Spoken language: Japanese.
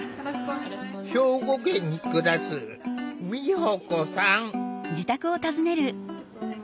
兵庫県に暮らす美保子さん。